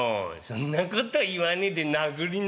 「そんなこと言わねえで殴りなよ」。